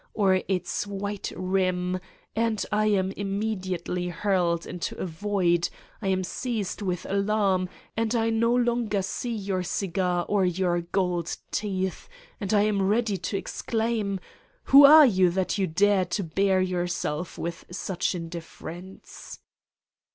or its white rim and I am im 126 Satan's Diary mediately hurled into a void, I am seized with alarm and I no longer see either your cigar or your gold teeth and I am ready to exclaim: who are you that you dare to bear yourself with such indifference?"